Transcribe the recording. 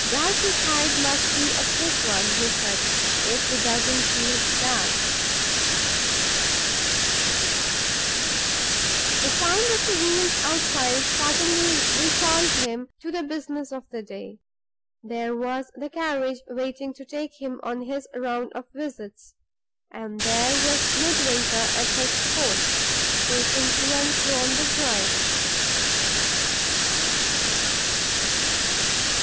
"Darch's hide must be a thick one," he said, "if he doesn't feel that!" The sound of the wheels outside suddenly recalled him to the business of the day. There was the carriage waiting to take him on his round of visits; and there was Midwinter at his post, pacing to and fro on the drive.